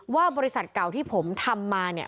ว่าบริษัทเก่าที่ผมทำมาเนี่ย